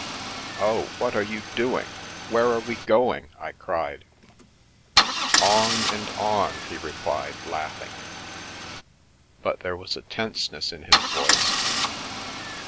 " Oh, what are you doing? Where are we going? I cried. "On — and on!" he replied, laughing, but there wa a tenseness in his voice.